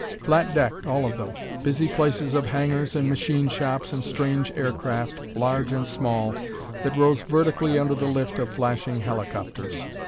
Flat decked, all of them; busy places of hangars and machine shops and strange aircraft, large and small, that rose vertically under the lift of flashing helicopters.